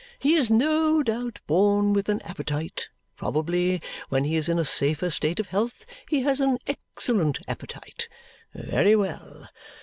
He is no doubt born with an appetite probably, when he is in a safer state of health, he has an excellent appetite. Very well.